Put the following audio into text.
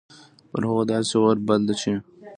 پر هغو داسي اور بل ده چې